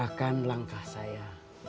mendoakan langkah saya